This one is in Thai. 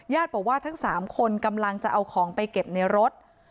บอกว่าทั้ง๓คนกำลังจะเอาของไปเก็บในรถ